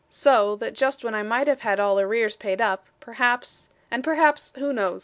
So, that just when I might have had all arrears paid up, perhaps, and perhaps who knows?